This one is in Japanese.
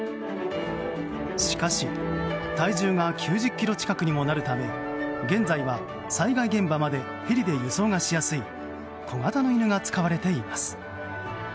しかし、体重が９０ｋｇ近くにもなるため現在は災害現場までヘリで輸送がしやすい小型の犬が使われています。